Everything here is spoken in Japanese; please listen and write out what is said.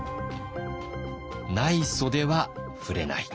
ない袖は振れない。